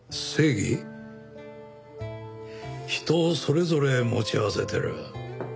人それぞれ持ち合わせてる。